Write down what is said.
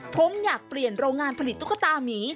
ผมอยากเปลี่ยนโรงงานผลิตตุ๊กตามี